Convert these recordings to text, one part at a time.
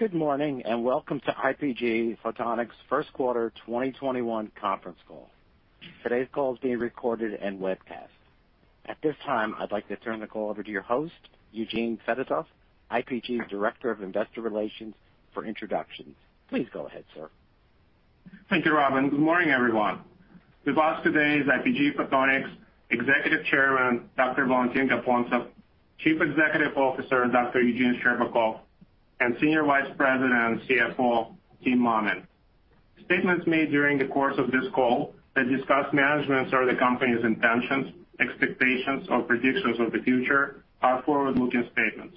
Good morning, welcome to IPG Photonics first quarter 2021 conference call. Today's call is being recorded and webcast. At this time, I'd like to turn the call over to your host, Eugene Fedotoff, IPG's Director of Investor Relations for introductions. Please go ahead, sir. Thank you, Robin. Good morning, everyone. With us today is IPG Photonics Executive Chairman, Dr. Valentin Gapontsev, Chief Executive Officer, Dr. Eugene Scherbakov, and Senior Vice President and CFO, Tim Mammen. Statements made during the course of this call that discuss management's or the company's intentions, expectations, or predictions of the future are forward-looking statements.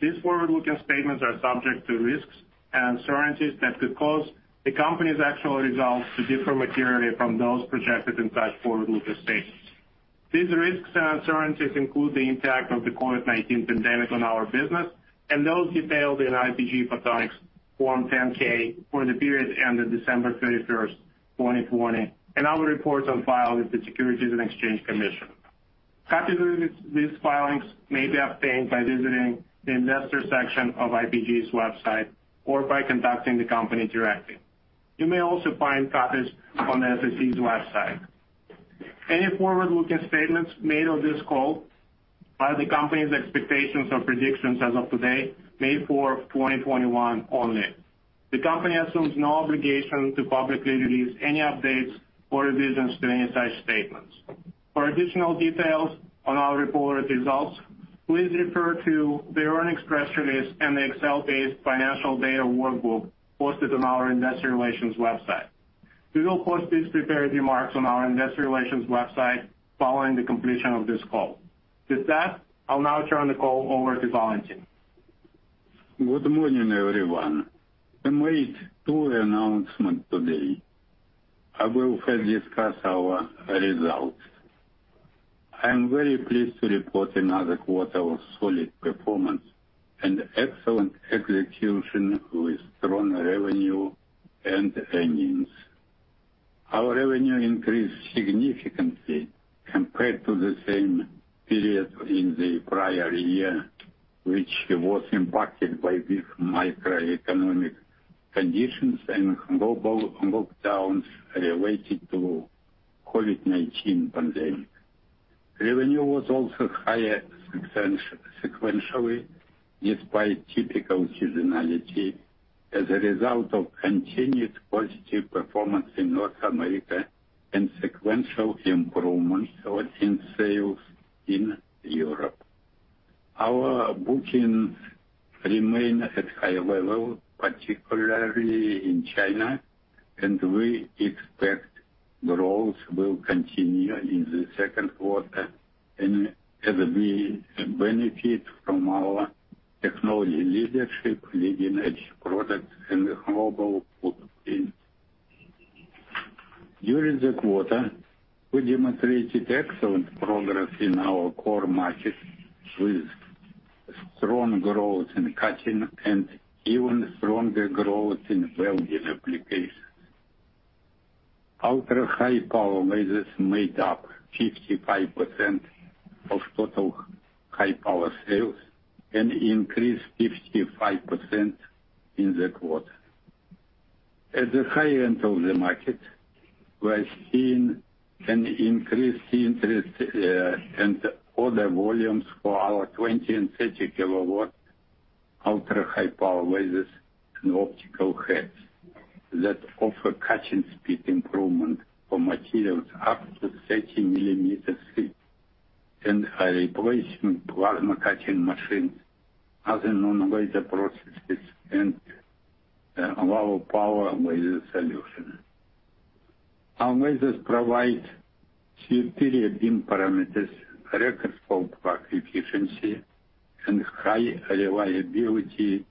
These forward-looking statements are subject to risks and uncertainties that could cause the company's actual results to differ materially from those projected in such forward-looking statements. These risks and uncertainties include the impact of the COVID-19 pandemic on our business, and those detailed in IPG Photonics Form 10-K for the period ending December 31st, 2020, and our reports on file with the Securities and Exchange Commission. Copies of these filings may be obtained by visiting the investor section of IPG's website or by contacting the company directly. You may also find copies on the SEC's website. Any forward-looking statements made on this call are the company's expectations or predictions as of today, May 4th, 2021 only. The company assumes no obligation to publicly release any updates or revisions to any such statements. For additional details on our reported results, please refer to the earnings press release and the Excel-based financial data workbook posted on our investor relations website. We will post these prepared remarks on our investor relations website following the completion of this call. With that, I'll now turn the call over to Valentin. Good morning, everyone. We made two announcements today. I will first discuss our results. I am very pleased to report another quarter of solid performance and excellent execution with strong revenue and earnings. Our revenue increased significantly compared to the same period in the prior year, which was impacted by weak macroeconomic conditions and global lockdowns related to COVID-19 pandemic. Revenue was also higher sequentially despite typical seasonality as a result of continued positive performance in North America and sequential improvements in sales in Europe. Our bookings remain at high levels, particularly in China, and we expect growth will continue in the second quarter as we benefit from our technology leadership, leading-edge products, and global footprint. During the quarter, we demonstrated excellent progress in our core markets with strong growth in cutting and even stronger growth in welding applications. Ultra high power lasers made up 55% of total high power sales and increased 55% in the quarter. At the high end of the market, we are seeing an increased interest and order volumes for our 20 kW and 30 kW ultra high power lasers and optical heads that offer cutting speed improvement for materials up to 30 millimeters thick and are replacing plasma cutting machines as a non-laser processes and our power laser solution. Our lasers provide superior beam parameters, record for power efficiency, and high reliability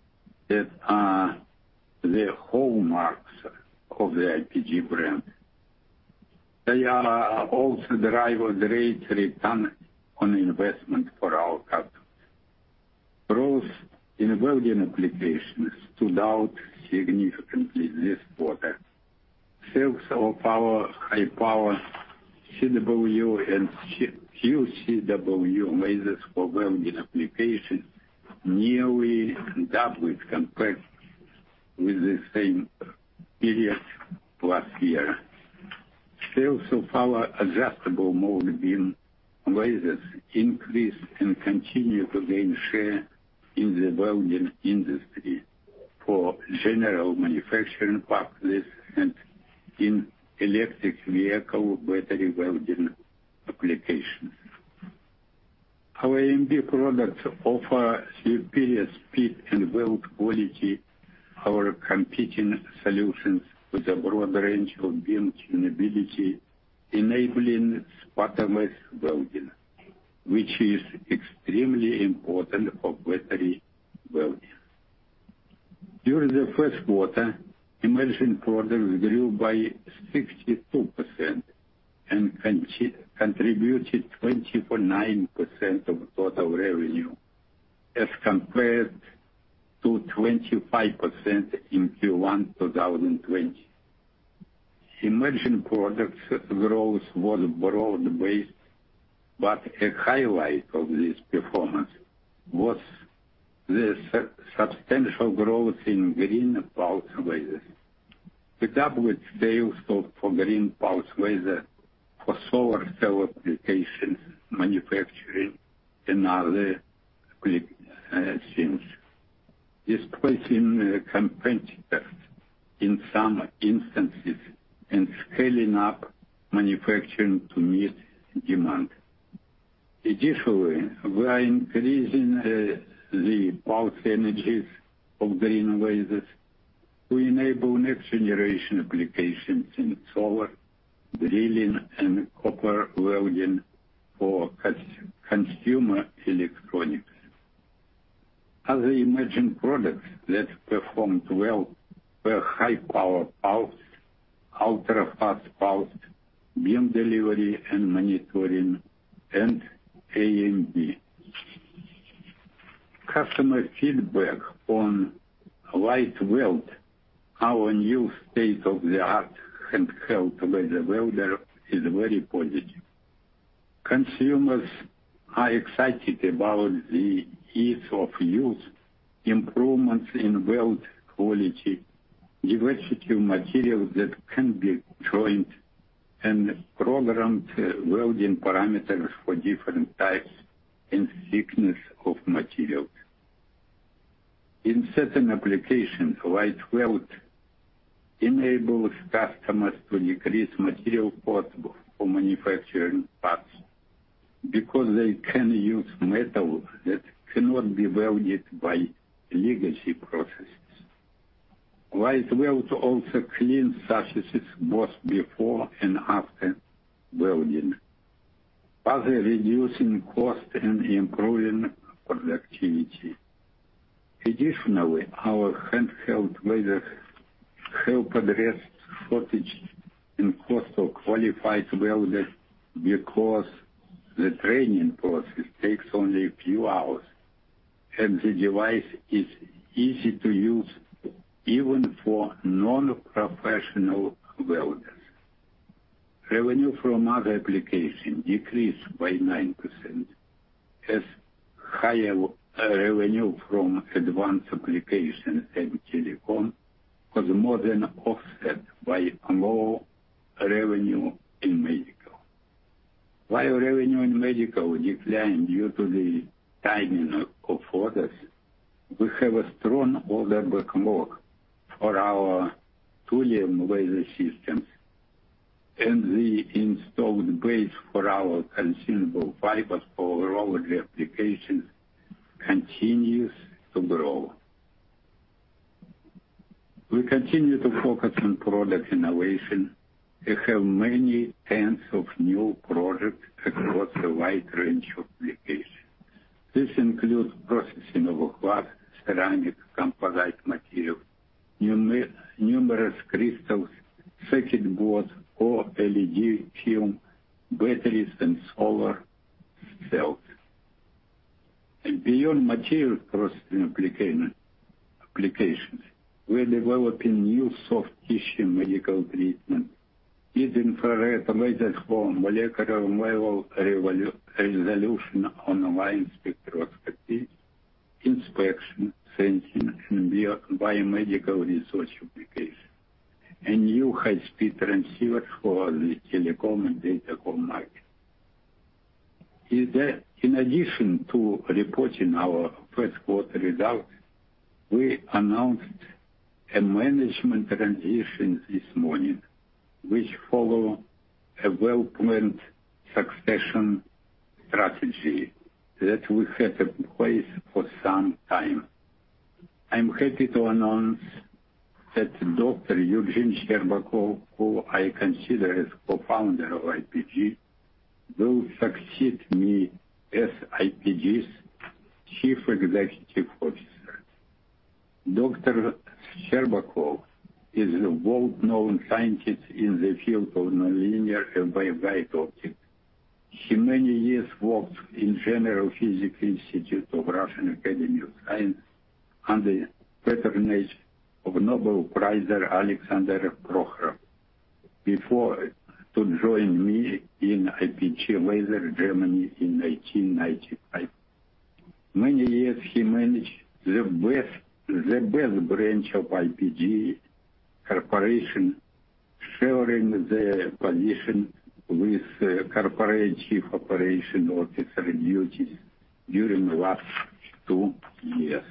that are the hallmarks of the IPG brand. They also drive a great return on investment for our customers. Growth in welding applications stood out significantly this quarter. Sales of our power, high power, CW, and QCW lasers for welding applications nearly doubled compared with the same period last year. Sales of our Adjustable Mode Beam lasers increased and continue to gain share in the welding industry for general manufacturing purposes and in electric vehicle battery welding applications. Our AMB products offer superior speed and weld quality, our competing solutions with a broad range of beam tunability, enabling spot weld welding, which is extremely important for battery welding. During the first quarter, emerging products grew by 62% and contributed 29% of total revenue as compared to 25% in Q1 2020. Emerging products growth was broad-based, but a highlight of this performance was the substantial growth in green pulse lasers, particularly sales for green pulse laser for solar cell applications, manufacturing, and other things, displacing competitors in some instances and scaling up manufacturing to meet demand. Additionally, we are increasing the pulse energies of green lasers to enable next-generation applications in solar, drilling, and copper welding for consumer electronics. Other emerging products that performed well were high power pulse, ultra-fast pulse, beam delivery and monitoring, and AMB. Customer feedback on LightWELD, our new state-of-the-art handheld laser welder, is very positive. Consumers are excited about the ease of use, improvements in weld quality, diversity of materials that can be joined, and programmed welding parameters for different types and thickness of materials. In certain applications, LightWELD enables customers to decrease material costs for manufacturing parts because they can use metal that cannot be welded by legacy processes. LightWELD also cleans surfaces both before and after welding, further reducing cost and improving productivity. Additionally, our handheld lasers help address shortage and cost of qualified welders because the training process takes only a few hours, and the device is easy to use, even for non-professional welders. Revenue from other applications decreased by 9%, as higher revenue from advanced applications and telecom was more than offset by lower revenue in medical. While revenue in medical declined due to the timing of orders, we have a strong order backlog for our Thulium laser systems, and the installed base for our consumable fibers for our older applications continues to grow. We continue to focus on product innovation and have many tens of new projects across a wide range of applications. This includes processing of glass, ceramic, composite materials, numerous crystals, circuit board, OLED film, batteries, and solar cells. Beyond material processing applications, we're developing new soft tissue medical treatment, mid-infrared lasers for molecular level resolution online spectroscopy, inspection, sensing, and biomedical research applications, and new high-speed transistors for the telecom and datacom market. In addition to reporting our first quarter results, we announced a management transition this morning, which follow a well-planned succession strategy that we had in place for some time. I'm happy to announce that Dr. Eugene Scherbakov, who I consider as co-founder of IPG, will succeed me as IPG's Chief Executive Officer. Dr. Scherbakov is a world-renowned scientist in the field of nonlinear and bioglass optics. He many years worked in General Physics Institute of Russian Academy of Sciences under the patronage of Nobel Prize winner, Alexander Prokhorov, before to join me in IPG Laser, Germany in 1995. Many years, he managed the best branch of IPG corporation, sharing the position with Corporate Chief Operating Officer duties during the last two years.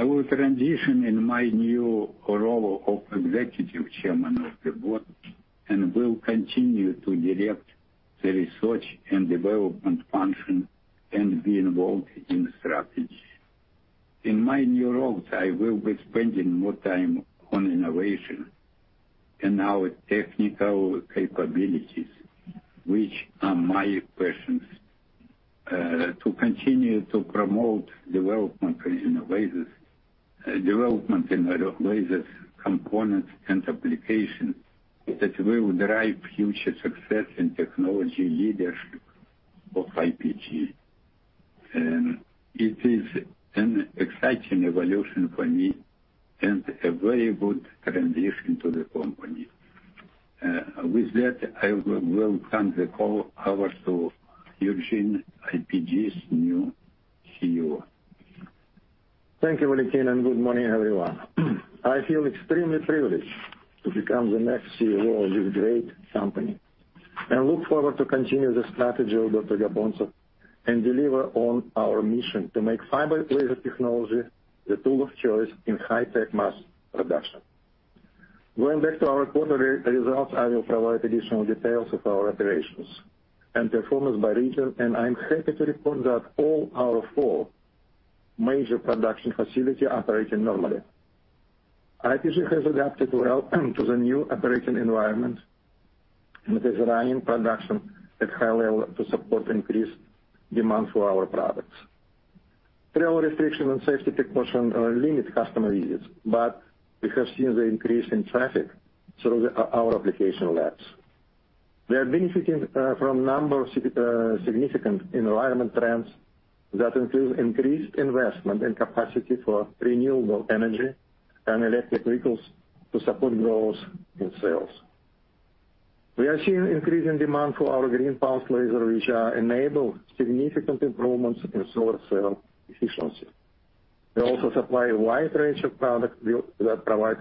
I will transition in my new role of Executive Chairman of the Board and will continue to direct the research and development function and be involved in strategy. In my new role, I will be spending more time on innovation and our technical capabilities, which are my passions, to continue to promote development in lasers, components, and applications that will drive future success and technology leadership of IPG. It is an exciting evolution for me and a very good transition to the company. With that, I will hand the call over to Eugene, IPG's new CEO. Thank you, Valentin. Good morning, everyone. I feel extremely privileged to become the next CEO of this great company, look forward to continue the strategy of Dr. Gapontsev and deliver on our mission to make fiber laser technology the tool of choice in high-tech mass production. Going back to our quarterly results, I will provide additional details of our operations and performance by region, I'm happy to report that all our four major production facilities are operating normally. IPG has adapted well to the new operating environment and is running production at high level to support increased demand for our products. Travel restriction and safety precaution limit customer visits, we have seen the increase in traffic through our application labs. We are benefiting from a number of significant environment trends that include increased investment and capacity for renewable energy and electric vehicles to support growth in sales. We are seeing increasing demand for our green pulse lasers, which enable significant improvements in solar cell efficiency. We also supply a wide range of products that provide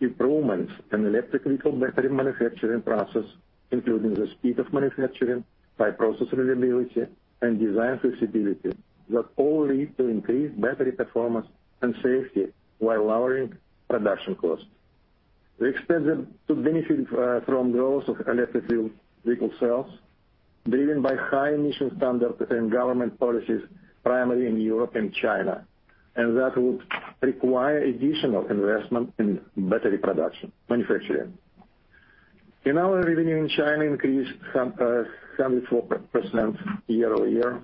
improvements in electric vehicle battery manufacturing process, including the speed of manufacturing by process reliability and design flexibility, that all lead to increased battery performance and safety while lowering production costs. We expect to benefit from the electric vehicle battery cells brought in by high initial standard and government policies primarily in Europe and China. That would require additional investment in battery production manufacturing. Our revenue in China increased 74% YoY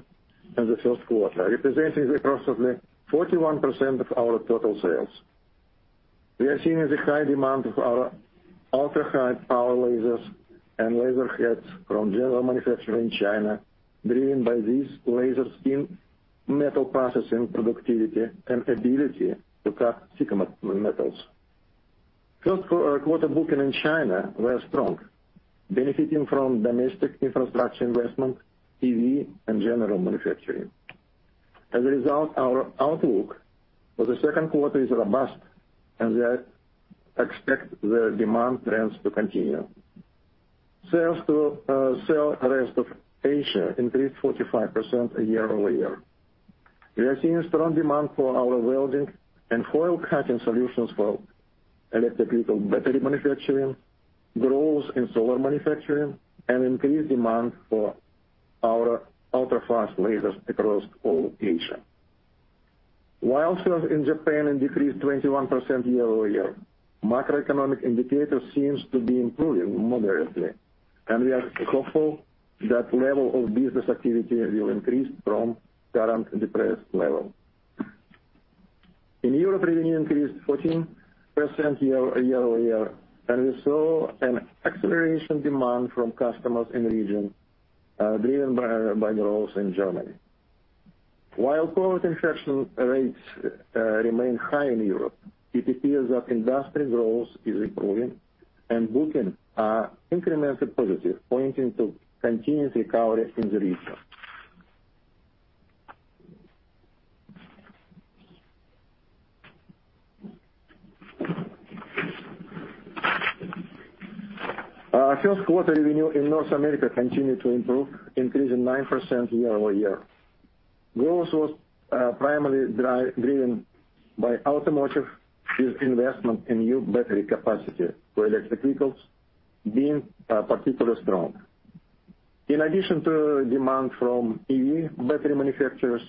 in the first quarter, representing approximately 41% of our total sales. We are seeing the high demand of our ultra-high power lasers and laser heads from general manufacturing in China, driven by these lasers in metal processing productivity and ability to cut thick metals. First quarter booking in China were strong, benefiting from domestic infrastructure investment, EV, and general manufacturing. As a result, our outlook for the second quarter is robust, and we expect the demand trends to continue. Sales to rest of Asia increased 45% YoY. We are seeing strong demand for our welding and foil cutting solutions for electric vehicle battery manufacturing, growth in solar manufacturing, and increased demand for our ultra-fast lasers across all Asia. While sales in Japan decreased 21% YoY, macroeconomic indicators seems to be improving moderately, and we are hopeful that level of business activity will increase from current depressed level. In Europe, revenue increased 14% YoY, we saw an acceleration demand from customers in region, driven by growth in Germany. While COVID-19 infection rates remain high in Europe, it appears that industry growth is improving and bookings are incrementally positive, pointing to continuous recovery in the region. First quarter revenue in North America continued to improve, increasing 9% YoY. Growth was primarily driven by automotive with investment in new battery capacity for electric vehicles being particularly strong. In addition to demand from EV battery manufacturers,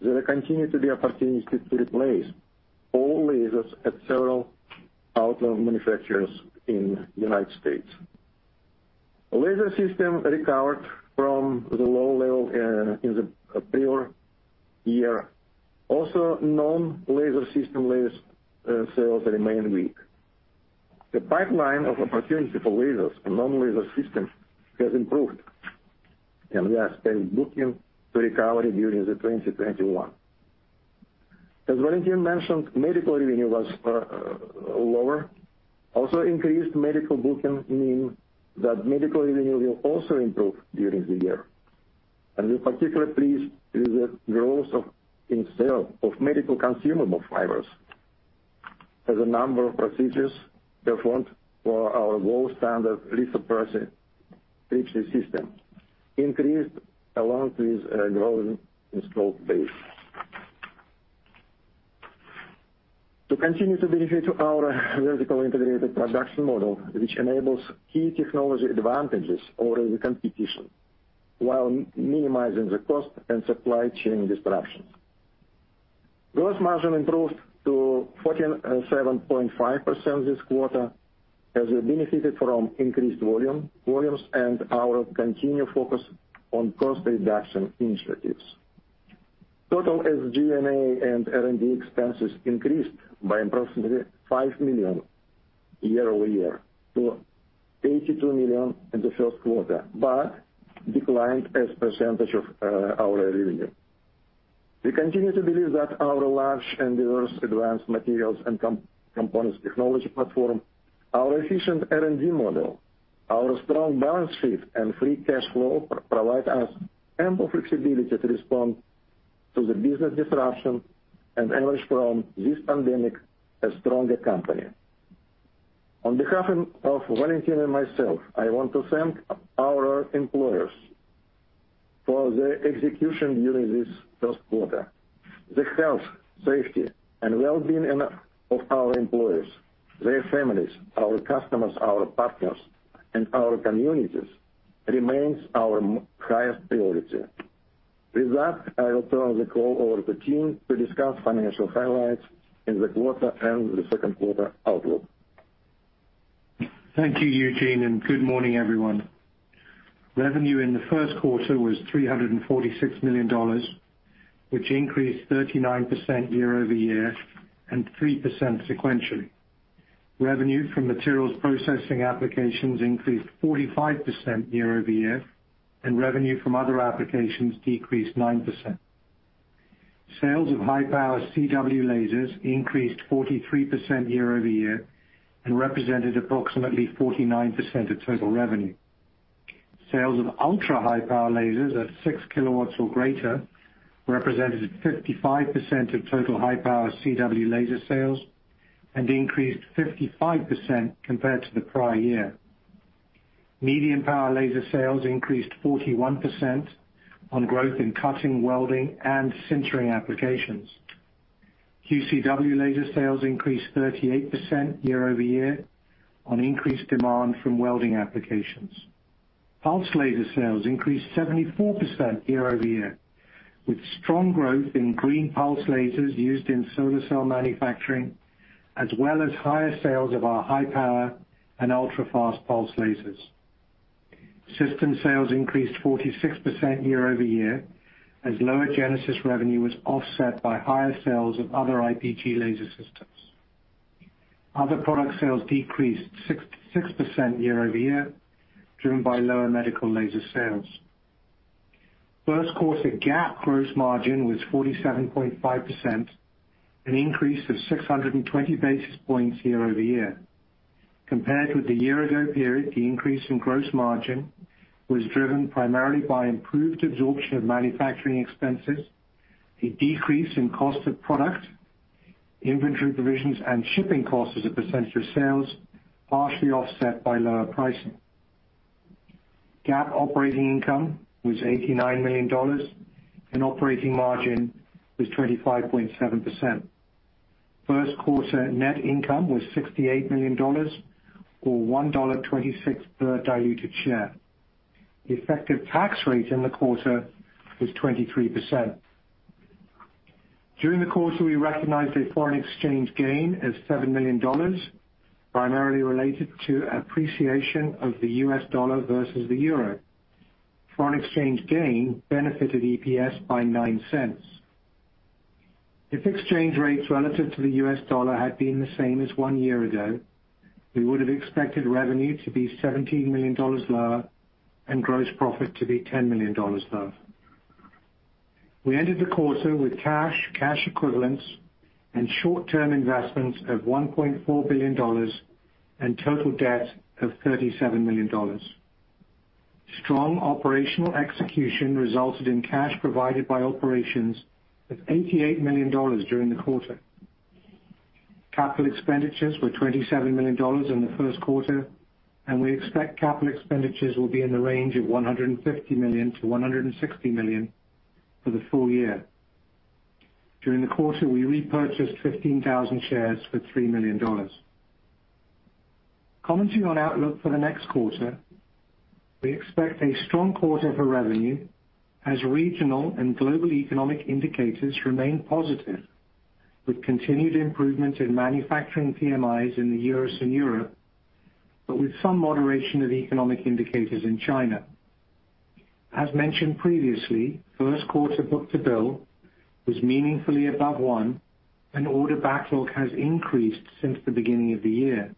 there continue to be opportunities to replace old lasers at several auto manufacturers in the U.S. Laser systems recovered from the low level in the prior year. Non-laser systems sales remain weak. The pipeline of opportunities for lasers and non-laser systems has improved, we expect bookings to recover during 2021. As Valentin mentioned, medical revenue was lower. Increased medical booking mean that medical revenue will also improve during the year, and we're particularly pleased with the growth in sale of medical consumable fibers, as the number of procedures performed for our gold standard lithotripsy system increased along with growing installed base. To continue to benefit our vertical integrated production model, which enables key technology advantages over the competition while minimizing the cost and supply chain disruptions. Gross margin improved to 47.5% this quarter as we benefited from increased volumes and our continued focus on cost reduction initiatives. Total SG&A and R&D expenses increased by approximately $5 million YoY to $82 million in the first quarter, but declined as a percentage of our revenue. We continue to believe that our large and diverse advanced materials and components technology platform, our efficient R&D model, our strong balance sheet, and free cash flow provide us ample flexibility to respond to the business disruption and emerge from this pandemic a stronger company. On behalf of Valentin and myself, I want to thank our employees for their execution during this first quarter. The health, safety, and wellbeing of our employees, their families, our customers, our partners, and our communities remains our highest priority. With that, I will turn the call over to Tim to discuss financial highlights in the quarter and the second quarter outlook. Thank you, Eugene, and good morning, everyone. Revenue in the first quarter was $346 million, which increased 39% YoY and 3% sequentially. Revenue from materials processing applications increased 45% YoY, and revenue from other applications decreased 9%. Sales of high-power CW lasers increased 43% YoY and represented approximately 49% of total revenue. Sales of ultra-high-power lasers at 6 kW or greater represented 55% of total high-power CW laser sales and increased 55% compared to the prior year. Medium-power laser sales increased 41% on growth in cutting, welding, and sintering applications. QCW laser sales increased 38% YoY on increased demand from welding applications. Pulse laser sales increased 74% YoY, with strong growth in green pulse lasers used in solar cell manufacturing, as well as higher sales of our high-power and ultra-fast pulse lasers. System sales increased 46% YoY as lower Genesis revenue was offset by higher sales of other IPG laser systems. Other product sales decreased 6% YoY, driven by lower medical laser sales. First quarter GAAP gross margin was 47.5%, an increase of 620 basis points YoY. Compared with the year-ago period, the increase in gross margin was driven primarily by improved absorption of manufacturing expenses, a decrease in cost of product, inventory provisions, and shipping costs as a percentage of sales, partially offset by lower pricing. GAAP operating income was $89 million and operating margin was 25.7%. First quarter net income was $68 million, or $1.26 per diluted share. The effective tax rate in the quarter was 23%. During the quarter, we recognized a foreign exchange gain of $7 million, primarily related to appreciation of the U.S. dollar versus the euro. Foreign exchange gain benefited EPS by $0.09. If exchange rates relative to the U.S. dollar had been the same as one year ago, we would have expected revenue to be $17 million lower and gross profit to be $10 million lower. We ended the quarter with cash equivalents, and short-term investments of $1.4 billion and total debt of $37 million. Strong operational execution resulted in cash provided by operations of $88 million during the quarter. Capital expenditures were $27 million in the first quarter, and we expect capital expenditures will be in the range of $150 million-$160 million for the full year. During the quarter, we repurchased 15,000 shares for $3 million. Commenting on outlook for the next quarter, we expect a strong quarter for revenue as regional and global economic indicators remain positive with continued improvement in manufacturing PMIs in the U.S. and Europe, but with some moderation of economic indicators in China. As mentioned previously, first quarter book-to-bill was meaningfully above one and order backlog has increased since the beginning of the year.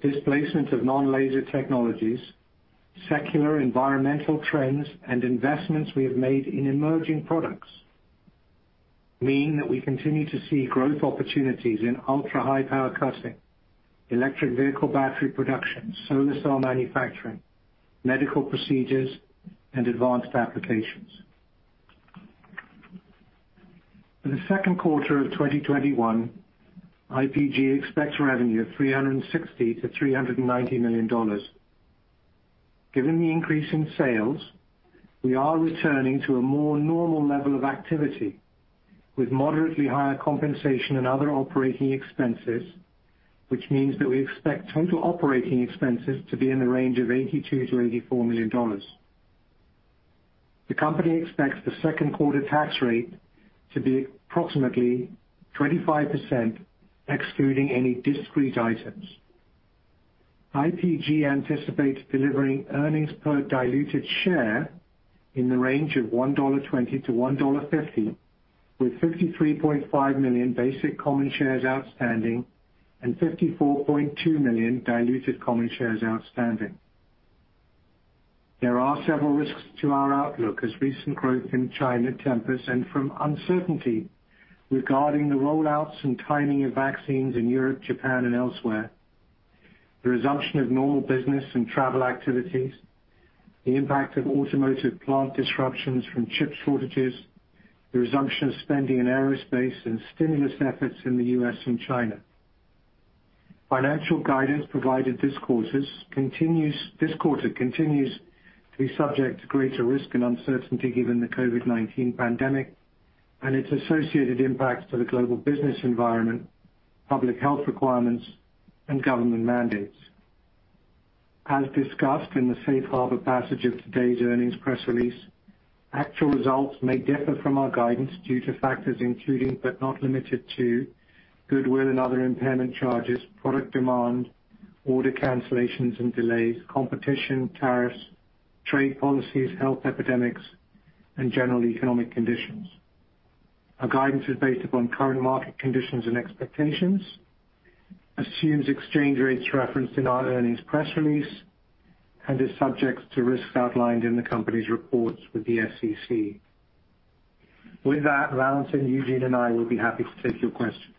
Displacement of non-laser technologies, secular environmental trends, and investments we have made in emerging products mean that we continue to see growth opportunities in ultra-high power cutting, electric vehicle battery production, solar cell manufacturing, medical procedures, and advanced applications. For the second quarter of 2021, IPG expects revenue of $360 million-$390 million. Given the increase in sales, we are returning to a more normal level of activity with moderately higher compensation and other operating expenses, which means that we expect total operating expenses to be in the range of $82 million-$84 million. The company expects the second quarter tax rate to be approximately 25%, excluding any discrete items. IPG anticipates delivering earnings per diluted share in the range of $1.20-$1.50, with 53.5 million basic common shares outstanding and 54.2 million diluted common shares outstanding. There are several risks to our outlook as recent growth in China tempers and from uncertainty regarding the rollouts and timing of vaccines in Europe, Japan, and elsewhere, the resumption of normal business and travel activities, the impact of automotive plant disruptions from chip shortages, the resumption of spending in aerospace, and stimulus efforts in the U.S. and China. Financial guidance provided this quarter continues to be subject to greater risk and uncertainty given the COVID-19 pandemic and its associated impacts to the global business environment, public health requirements, and government mandates. As discussed in the safe harbor passage of today's earnings press release, actual results may differ from our guidance due to factors including but not limited to, goodwill and other impairment charges, product demand, order cancellations and delays, competition, tariffs, trade policies, health epidemics, and general economic conditions. Our guidance is based upon current market conditions and expectations, assumes exchange rates referenced in our earnings press release, and is subject to risks outlined in the company's reports with the SEC. With that, Valentin, Eugene, and I will be happy to take your questions.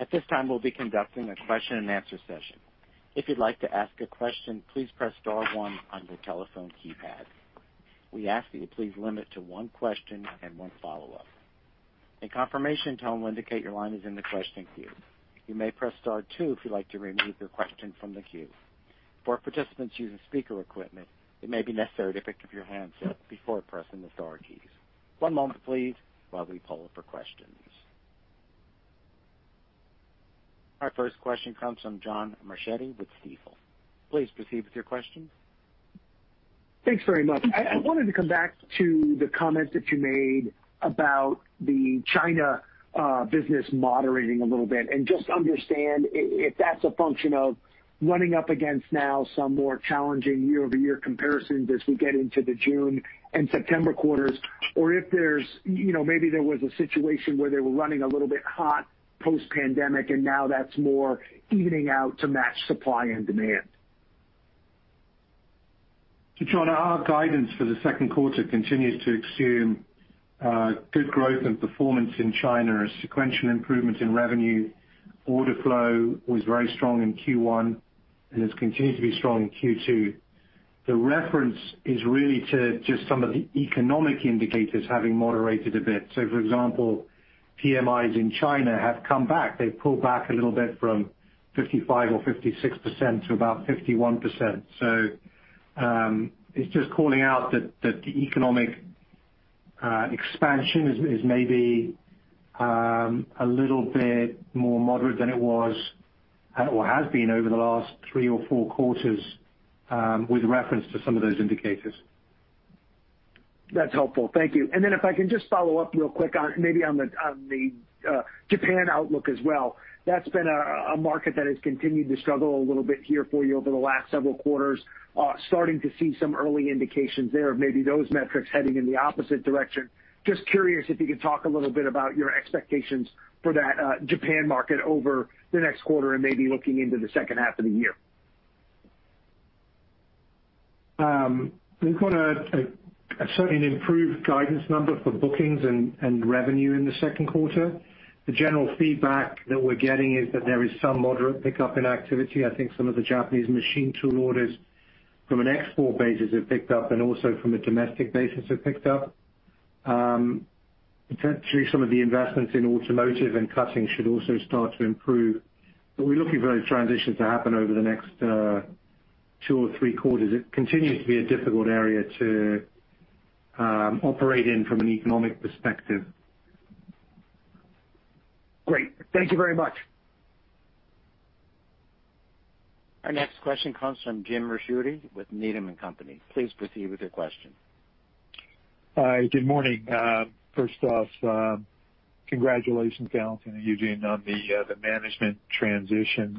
At this time, we'll be conducting a question and answer session. If you'd like to ask a question, please press star one on your telephone keypad. We ask that you please limit to one question and one follow-up. A confirmation tone will indicate your line is in the question queue. You may press star two if you'd like to remove your question from the queue. For participants using speaker equipment, it may be necessary to pick up your handset before pressing the star keys. One moment please while we poll for questions. Our first question comes from John Marchetti with Stifel. Please proceed with your question. Thanks very much. I wanted to come back to the comment that you made about the China business moderating a little bit and just understand if that's a function of running up against now some more challenging YoY comparisons as we get into the June and September quarters, or if maybe there was a situation where they were running a little bit hot post-pandemic, and now that's more evening out to match supply and demand. John, our guidance for the second quarter continues to assume good growth and performance in China as sequential improvements in revenue. Order flow was very strong in Q1 and has continued to be strong in Q2. The reference is really to just some of the economic indicators having moderated a bit. For example, PMIs in China have come back. They've pulled back a little bit from 55% or 56% to about 51%. It's just calling out that the economic expansion is maybe a little bit more moderate than it was or has been over the last three or four quarters, with reference to some of those indicators. That's helpful. Thank you. Then if I can just follow up real quick on maybe on the Japan outlook as well? That's been a market that has continued to struggle a little bit here for you over the last several quarters. Starting to see some early indications there of maybe those metrics heading in the opposite direction. Just curious if you could talk a little bit about your expectations for that Japan market over the next quarter and maybe looking into the second half of the year? We've got certainly an improved guidance number for bookings and revenue in the second quarter. The general feedback that we're getting is that there is some moderate pickup in activity. I think some of the Japanese machine tool orders from an export basis have picked up and also from a domestic basis have picked up. Potentially, some of the investments in automotive and cutting should also start to improve. We're looking for those transitions to happen over the next two or three quarters. It continues to be a difficult area to operate in from an economic perspective. Great. Thank you very much. Our next question comes from Jim Ricchiuti with Needham & Company. Please proceed with your question. Hi. Good morning. First off, congratulations, Valentin and Eugene, on the management transition.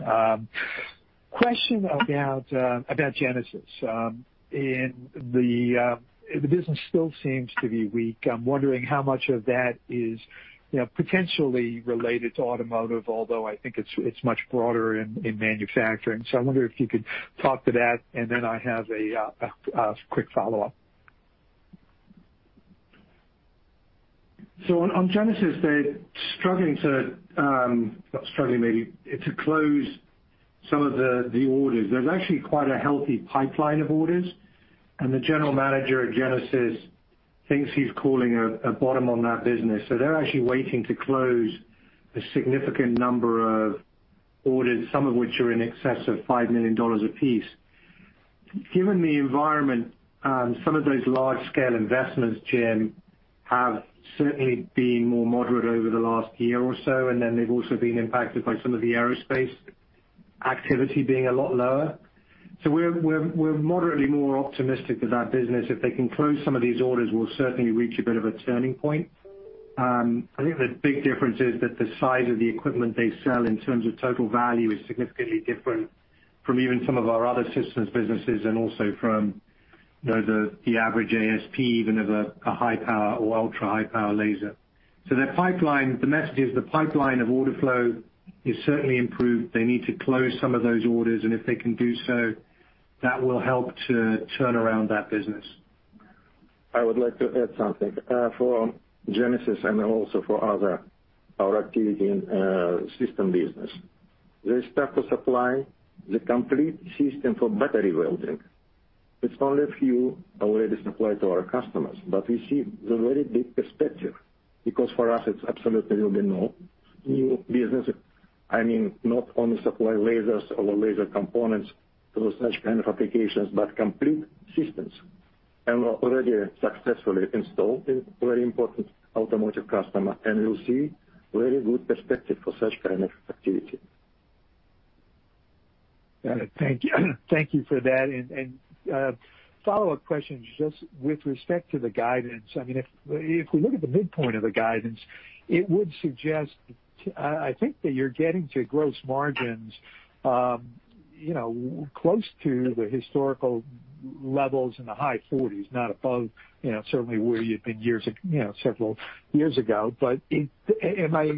Question about Genesis. The business still seems to be weak. I'm wondering how much of that is potentially related to automotive, although I think it's much broader in manufacturing. I wonder if you could talk to that, and then I have a quick follow-up. On Genesis, they're not struggling, maybe. To close some of the orders. There's actually quite a healthy pipeline of orders, the general manager at Genesis thinks he's calling a bottom on that business. They're actually waiting to close a significant number of orders, some of which are in excess of $5 million a piece. Given the environment, some of those large-scale investments, Jim, have certainly been more moderate over the last year or so, they've also been impacted by some of the aerospace activity being a lot lower. We're moderately more optimistic with that business. If they can close some of these orders, we'll certainly reach a bit of a turning point. I think the big difference is that the size of the equipment they sell in terms of total value is significantly different from even some of our other systems businesses and also from the average ASP, even of a high power or ultra-high power laser. Their message is the pipeline of order flow is certainly improved. They need to close some of those orders, and if they can do so, that will help to turn around that business. I would like to add something. For Genesis and then also for other, our activity in system business. They start to supply the complete system for battery welding. It's only a few already supplied to our customers, but we see the very big perspective because for us it's absolutely will be new business. I mean, not only supply lasers or laser components to such kind of applications, but complete systems and already successfully installed in very important automotive customer. We'll see very good perspective for such kind of activity. Got it. Thank you. Thank you for that. Follow-up question, just with respect to the guidance. If we look at the midpoint of the guidance, it would suggest, I think that you're getting to gross margins close to the historical levels in the high 40s, not above, certainly where you'd been several years ago. Am I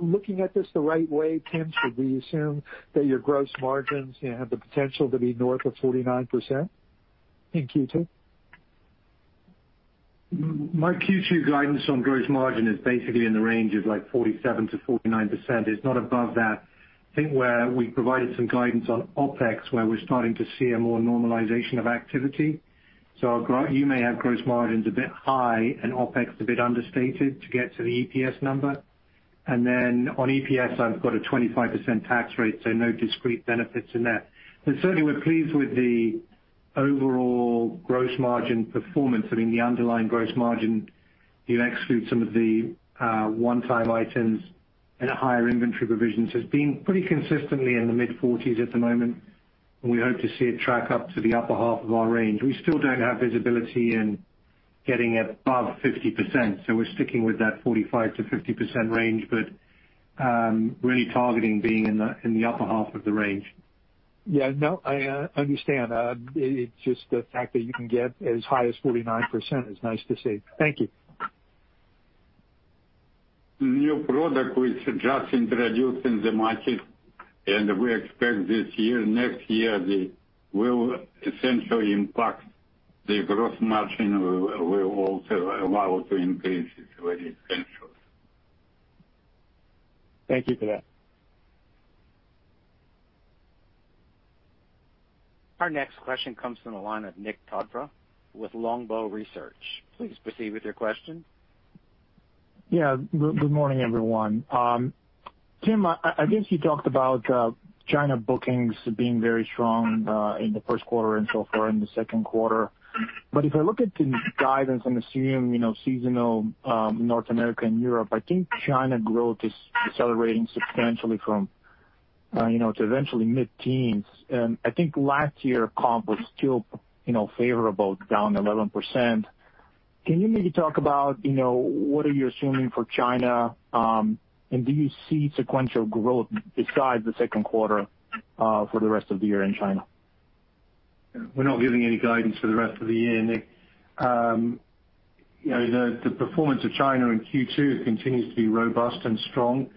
looking at this the right way, Tim? Should we assume that your gross margins have the potential to be north of 49% in Q2? My Q2 guidance on gross margin is basically in the range of like 47%-49%. It's not above that. I think where we provided some guidance on OpEx, where we're starting to see a more normalization of activity. You may have gross margins a bit high and OpEx a bit understated to get to the EPS number. Then on EPS, I've got a 25% tax rate, no discrete benefits in there. Certainly, we're pleased with the overall gross margin performance. I mean, the underlying gross margin, you exclude some of the one-time items and higher inventory provisions, has been pretty consistently in the mid-40s at the moment, and we hope to see it track up to the upper half of our range. We still don't have visibility in getting above 50%, so we're sticking with that 45%-50% range, but really targeting being in the upper half of the range. Yeah. No, I understand. It's just the fact that you can get as high as 49% is nice to see. Thank you. New product we just introduced in the market, and we expect this year, next year, will essentially impact the gross margin, will also allow to increase it very substantially. Thank you for that. Our next question comes from the line of Nikolay Todorov with Longbow Research. Please proceed with your question. Yeah. Good morning, everyone. Tim, I guess you talked about China bookings being very strong in the first quarter and so far in the second quarter. If I look at the guidance and assume seasonal North America and Europe, I think China growth is decelerating substantially to eventually mid-teens. I think last year comp was still favorable down 11%. Can you maybe talk about what are you assuming for China? Do you see sequential growth besides the second quarter for the rest of the year in China? We're not giving any guidance for the rest of the year, Nik. The performance of China in Q2 continues to be robust and strong.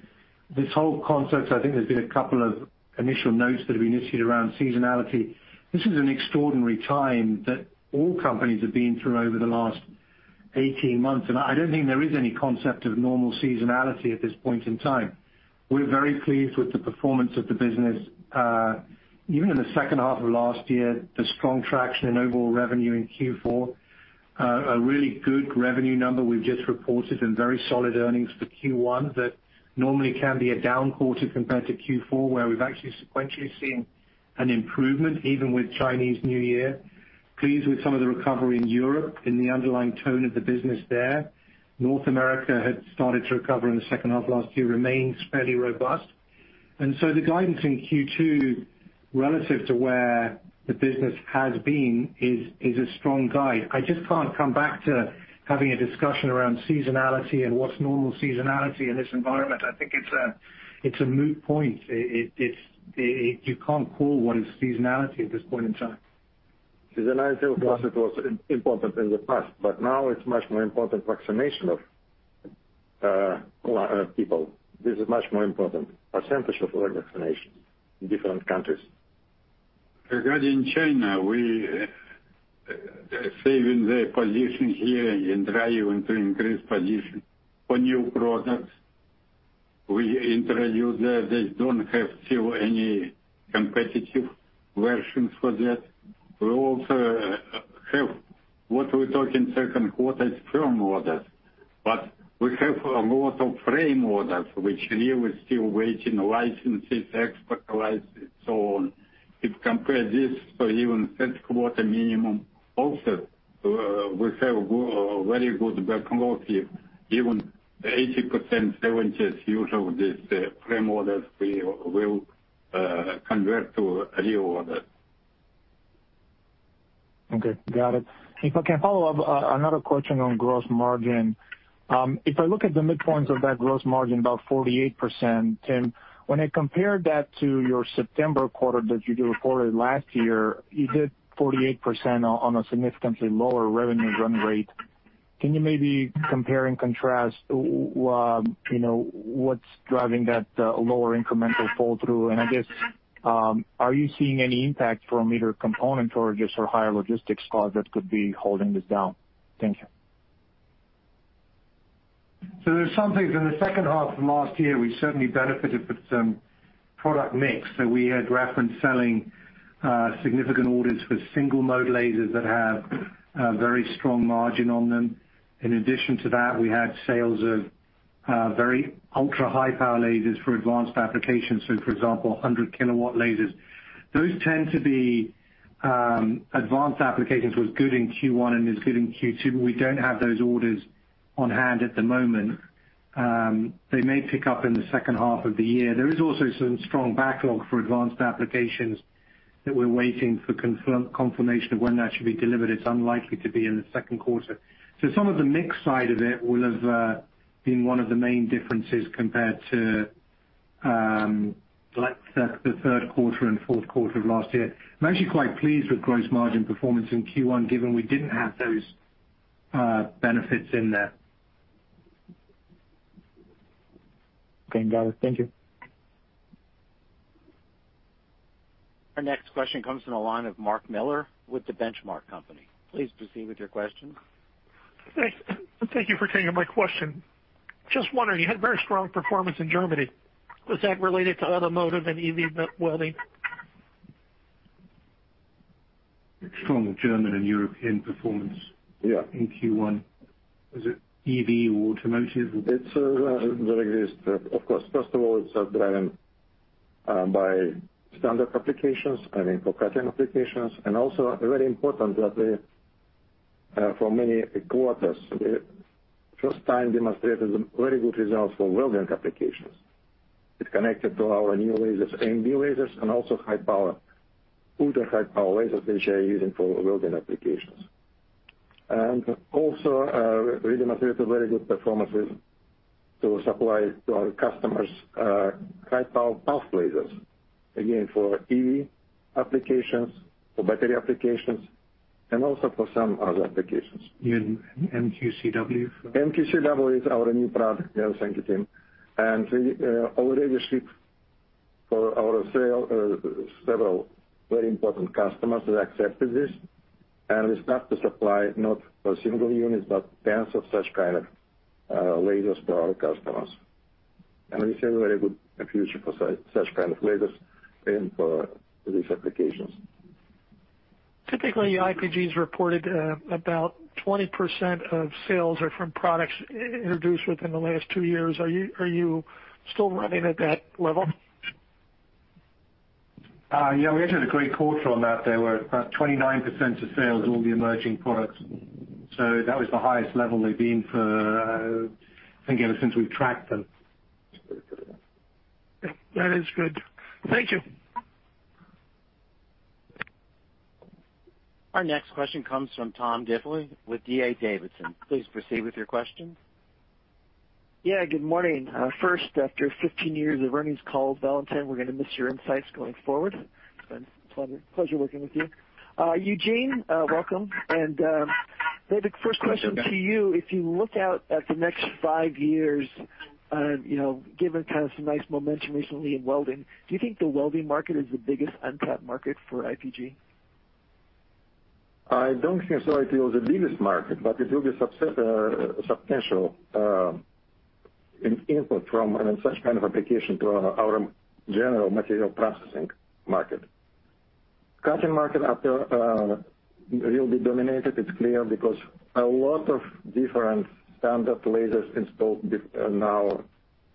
This whole concept, I think there's been a couple of initial notes that have been issued around seasonality. This is an extraordinary time that all companies have been through over the last 18 months. I don't think there is any concept of normal seasonality at this point in time. We're very pleased with the performance of the business. Even in the second half of last year, the strong traction in overall revenue in Q4, a really good revenue number we've just reported and very solid earnings for Q1 that normally can be a down quarter compared to Q4, where we've actually sequentially seen an improvement even with Chinese New Year. Pleased with some of the recovery in Europe in the underlying tone of the business there. North America had started to recover in the second half of last year, remains fairly robust. The guidance in Q2 relative to where the business has been is a strong guide. I just can't come back to having a discussion around seasonality and what's normal seasonality in this environment. I think it's a moot point. You can't call what is seasonality at this point in time. Seasonality was important in the past, but now it's much more important vaccination of people. This is much more important. Percentage of vaccination in different countries. Regarding China, we are saving the position here and trying to increase position for new products we introduced there. They don't have still any competitive versions for that. We also have what we talk in second quarter is firm orders. We have a lot of frame orders which here we're still waiting licenses, export licenses, so on. If compare this to even third quarter minimum, also we have very good backlog here, even 80%, 70% usual this frame orders we will convert to real order. Okay, got it. If I can follow up, another question on gross margin. If I look at the midpoints of that gross margin, about 48%, Tim, when I compare that to your September quarter that you reported last year, you did 48% on a significantly lower revenue run rate. Can you maybe compare and contrast what's driving that lower incremental fall through? I guess, are you seeing any impact from either component or just for higher logistics costs that could be holding this down? Thank you. There's some things in the second half of last year, we certainly benefited with some product mix. We had reference selling significant orders for single-mode lasers that have a very strong margin on them. In addition to that, we had sales of very ultra-high power lasers for advanced applications. For example, 100 kW lasers. Those tend to be advanced applications. It was good in Q1 and is good in Q2, but we don't have those orders on hand at the moment. They may pick up in the second half of the year. There is also some strong backlog for advanced applications that we're waiting for confirmation of when that should be delivered. It's unlikely to be in the second quarter. Some of the mix side of it will have been one of the main differences compared to the third quarter and fourth quarter of last year. I'm actually quite pleased with gross margin performance in Q1, given we didn't have those benefits in there. Okay, got it. Thank you. Our next question comes from the line of Mark Miller with The Benchmark Company. Please proceed with your question. Thanks. Thank you for taking my question. Just wondering, you had very strong performance in Germany. Was that related to automotive and EV welding? Strong German and European performance. Yeah. in Q1. Was it EV or automotive? It's very good step. Of course, first of all, it's driven by standard applications, I mean, for cutting applications, and also very important that for many quarters, the first time demonstrated very good results for welding applications. It's connected to our new lasers, AMB lasers, and also high power, ultra high power lasers, which are using for welding applications. We demonstrated very good performances to supply to our customers high power pulse lasers, again, for EV applications, for battery applications, and also for some other applications. You mean MQCW? MQCW is our new product. Yes, thank you, Tim. Already we ship for our sale, several very important customers that accepted this, and we start to supply not for single units, but tens of such kind of lasers for our customers. We see a very good future for such kind of lasers and for these applications. Typically, IPG's reported about 20% of sales are from products introduced within the last two years. Are you still running at that level? Yeah, we actually had a great quarter on that. There were about 29% of sales all the emerging products. That was the highest level they've been for, I think, ever since we've tracked them. That is good. Thank you. Our next question comes from Tom Diffely with D.A. Davidson. Please proceed with your question. Good morning. First, after 15 years of earnings calls, Valentin, we're going to miss your insights going forward. It's been a pleasure working with you. Eugene, welcome. Maybe first question to you. If you look out at the next five years, given kind of some nice momentum recently in welding, do you think the welding market is the biggest untapped market for IPG? I don't think so it is the biggest market, but it will be substantial input from such kind of application to our general material processing market. Cutting market will be dominated, it's clear, because a lot of different standard lasers installed now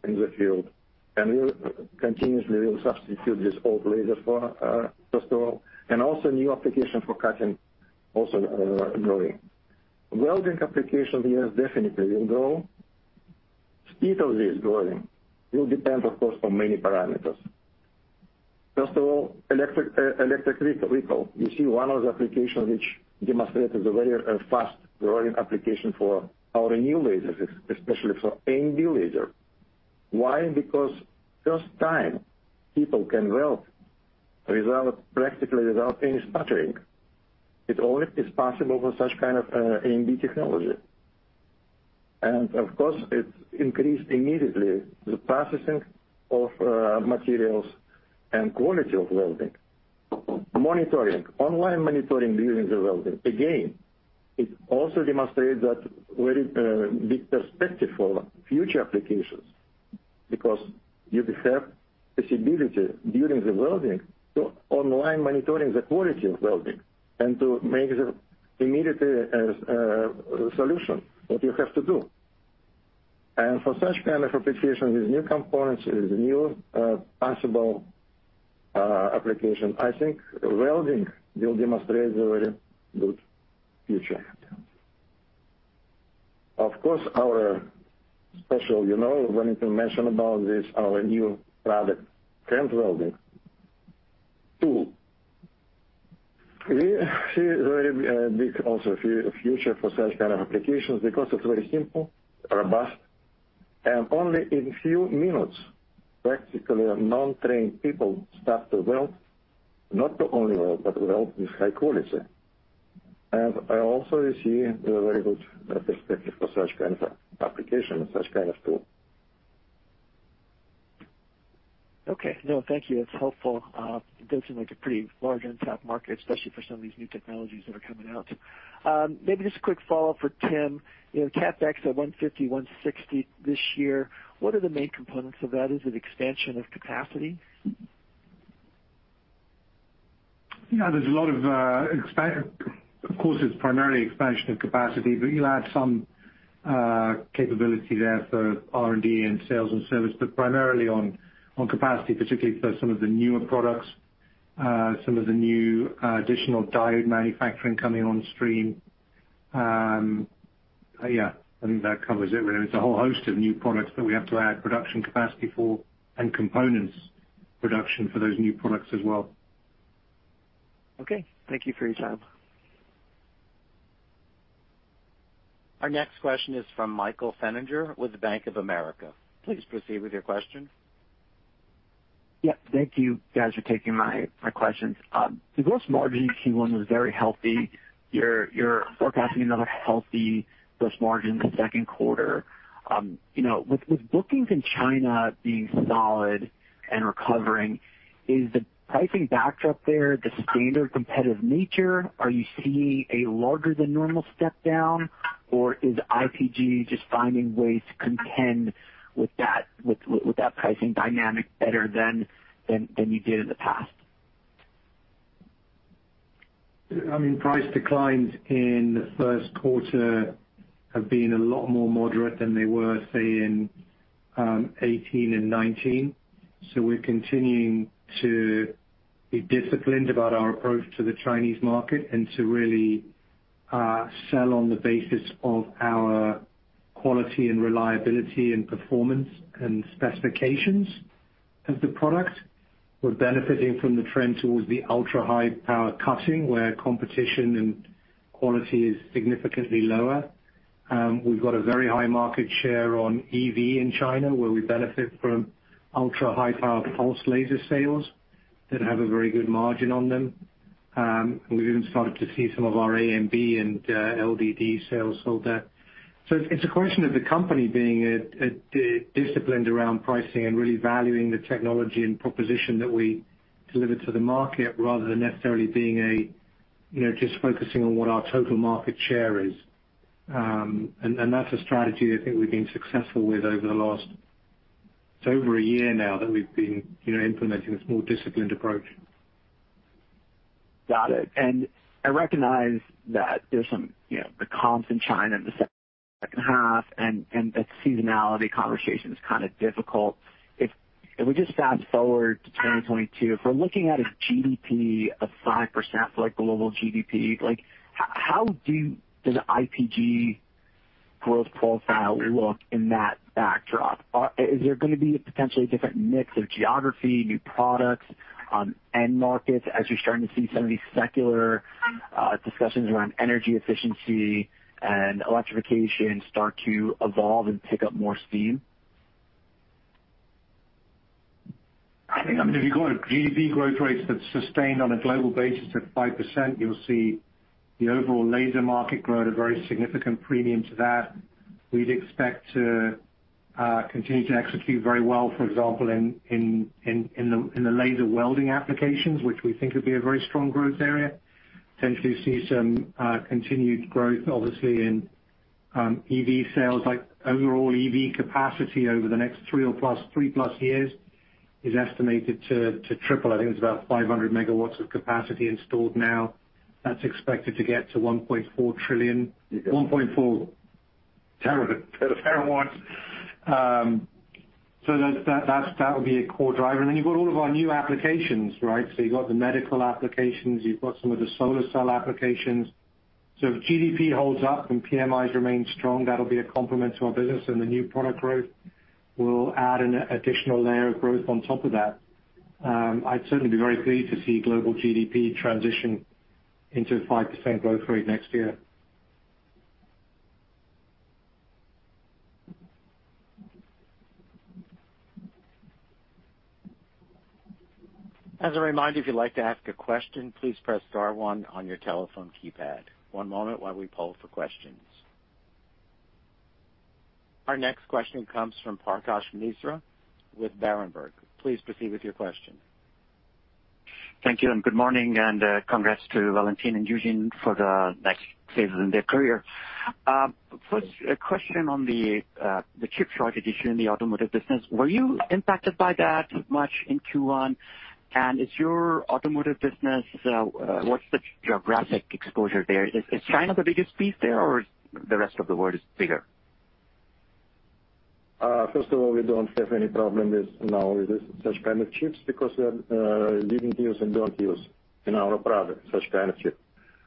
in the field, and we continuously will substitute these old lasers, first of all, and also new application for cutting also are growing. Welding application, yes, definitely will grow. Speed of this growing will depend, of course, on many parameters. First of all, electric vehicle. You see one of the applications which demonstrated the very fast growing application for our new lasers, especially for AMB laser. Why? First time people can weld practically without any sputtering. It only is possible for such kind of AMB technology. Of course, it increased immediately the processing of materials and quality of welding. Monitoring, online monitoring during the welding. It also demonstrates that very big perspective for future applications because you have this ability during the welding to online monitoring the quality of welding and to make immediately a solution what you have to do. For such kind of application with new components, with new possible application, I think welding will demonstrate a very good future. Of course, our special, when you can mention about this, our new product, LightWELD, too. We see a very big future for such kind of applications because it's very simple, robust, and only in few minutes, practically, non-trained people start to weld, not to only weld, but weld with high quality. I also see a very good perspective for such kind of application and such kind of tool. Okay. No, thank you. That's helpful. It does seem like a pretty large untapped market, especially for some of these new technologies that are coming out. Maybe just a quick follow-up for Tim Mammen. CapEx at $150, $160 this year. What are the main components of that? Is it expansion of capacity? Of course, it's primarily expansion of capacity, but you'll add some capability there for R&D and sales and service, but primarily on capacity, particularly for some of the newer products, some of the new additional diode manufacturing coming on stream. I think that covers it really. It's a whole host of new products that we have to add production capacity for and components production for those new products as well. Okay. Thank you for your time. Our next question is from Michael Feniger with Bank of America. Please proceed with your question. Yep. Thank you guys for taking my questions. The gross margin Q1 was very healthy. You're forecasting another healthy gross margin in the second quarter. With bookings in China being solid and recovering, is the pricing backdrop there the standard competitive nature? Are you seeing a larger than normal step down, or is IPG just finding ways to contend with that pricing dynamic better than you did in the past? Price declines in the first quarter have been a lot more moderate than they were, say, in 2018 and 2019. We're continuing to be disciplined about our approach to the Chinese market and to really sell on the basis of our quality and reliability and performance and specifications of the product. We're benefiting from the trend towards the ultra-high power cutting, where competition and quality is significantly lower. We've got a very high market share on EV in China, where we benefit from ultra-high power pulse laser sales that have a very good margin on them. We've even started to see some of our AMB and LDD sales hold there. It's a question of the company being disciplined around pricing and really valuing the technology and proposition that we deliver to the market rather than necessarily just focusing on what our total market share is. That's a strategy I think we've been successful with over the last, it's over a year now that we've been implementing this more disciplined approach. Got it. I recognize that there's the comps in China in the second half, and that seasonality conversation is kind of difficult. If we just fast-forward to 2022, if we're looking at a GDP of 5% for global GDP, how does IPG growth profile look in that backdrop? Is there going to be a potentially different mix of geography, new products, end markets, as you're starting to see some of these secular discussions around energy efficiency and electrification start to evolve and pick up more steam? If you've got a GDP growth rate that's sustained on a global basis at 5%, you'll see the overall laser market grow at a very significant premium to that. We'd expect to continue to execute very well, for example, in the laser welding applications, which we think would be a very strong growth area. Potentially see some continued growth, obviously, in EV sales. Overall EV capacity over the next three or plus three plus years is estimated to triple. I think it's about 500 MW of capacity installed now. That's expected to get to 1.4 terawatts. That would be a core driver. You've got all of our new applications. You've got the medical applications, you've got some of the solar cell applications. If GDP holds up and PMIs remain strong, that'll be a complement to our business, and the new product growth will add an additional layer of growth on top of that. I'd certainly be very pleased to see global GDP transition into 5% growth rate next year. As a reminder, if you'd like to ask a question, please press star one on your telephone keypad. One moment while we poll for questions. Our next question comes from Paretosh Misra with Berenberg. Please proceed with your question. Thank you. Good morning, and congrats to Valentin and Eugene for the next phases in their career. First question on the chip shortage issue in the automotive business. Were you impacted by that much in Q1? Is your automotive business, what's the geographic exposure there? Is China the biggest piece there, or the rest of the world is bigger? First of all, we don't have any problem now with such kind of chips because we didn't use and don't use in our product such kind of chip.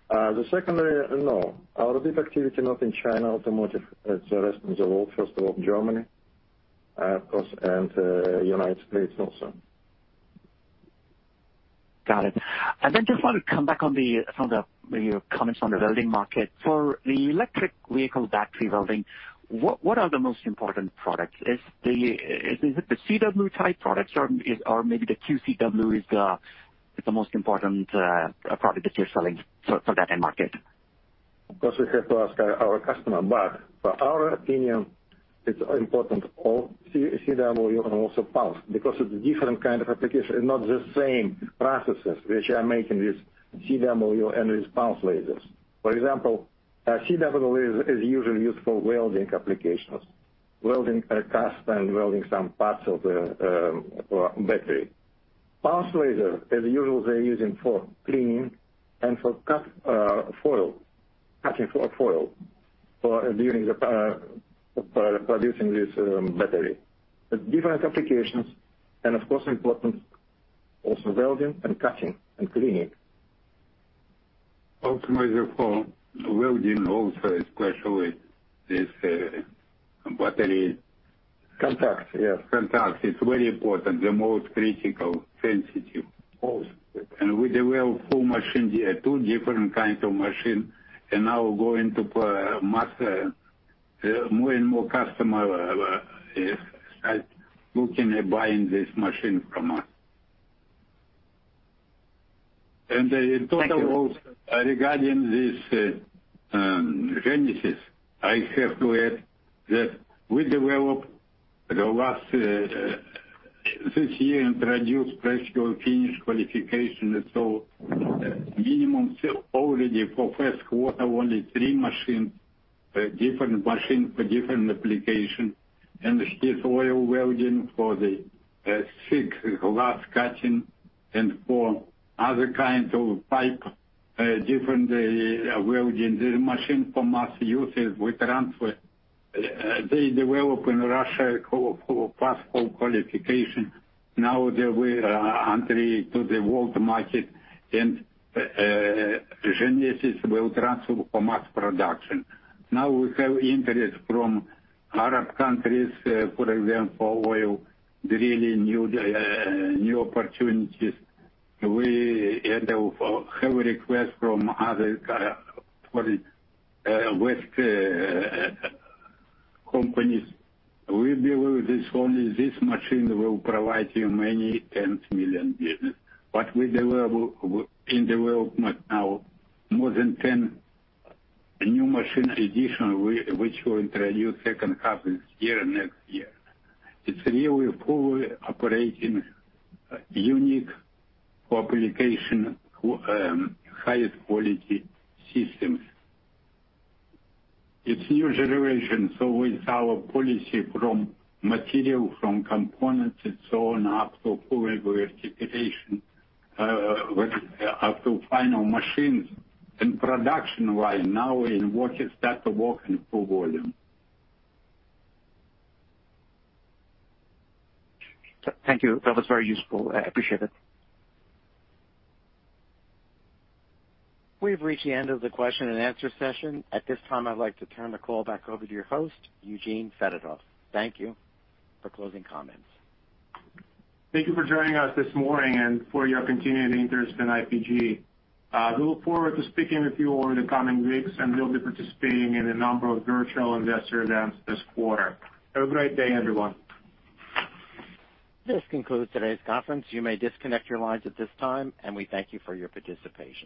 The secondary, no. Our deep activity not in China Automotive, it's the rest of the world, first of all, Germany, of course, and United States also. Got it. Just want to come back on your comments on the welding market. For the electric vehicle battery welding, what are the most important products? Is it the CW type products or maybe the QCW is the most important product that you're selling for that end market? Of course, we have to ask our customer. For our opinion, it's important all CW and also pulse, because it's different kind of application and not the same processes which are making this CW and this pulse lasers. For example, CW laser is usually used for welding applications, welding a cast and welding some parts of the battery. Pulse laser, as usual, they're using for cleaning and for cutting foil during the producing this battery. Different applications and of course, important also welding and cutting and cleaning. Ultimate for welding also, especially this battery- Contact, yes. contact. It's very important, the most critical, sensitive. Always. We develop full machine, yeah, two different kinds of machine, and now going to master more and more customer looking at buying this machine from us. In total, regarding this Genesis, I have to add that we develop the last, this year introduced practical finish qualification minimum already for first quarter, only three machine, different machine for different application. This stiff oil welding for the thick glass cutting and for other kinds of pipe, different welding. The machine for mass uses, we transfer. They develop in Russia for passport qualification. Now they will entry to the world market, and Genesis will transfer for mass production. Now we have interest from Arab countries, for example, oil drilling, new opportunities. We have request from other foreign West companies. We believe this only this machine will provide you many tens million business. We in development now more than 10 new machine edition, which we'll introduce second half this year, next year. It's really fully operating, unique for application, highest quality systems. It's new generation, so it's our policy from material, from components and so on, up to full reciprocation, up to final machines and production line now in work, start to work in full volume. Thank you. That was very useful. I appreciate it. We've reached the end of the question and answer session. At this time, I'd like to turn the call back over to your host, Eugene Fedotoff. Thank you for closing comments. Thank you for joining us this morning and for your continuing interest in IPG. We look forward to speaking with you over the coming weeks, and we'll be participating in a number of virtual investor events this quarter. Have a great day, everyone. This concludes today's conference. You may disconnect your lines at this time, and we thank you for your participation.